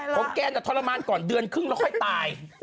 แกน่ะทรมานก่อนเดือนครึ่งแล้วค่อยตาย